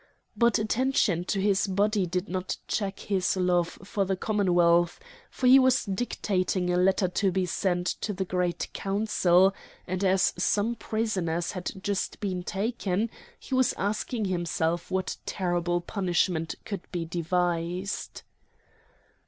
But attention to his body did not check his love for the commonwealth, for he was dictating a letter to be sent to the Great Council, and as some prisoners had just been taken he was asking himself what terrible punishment could be devised.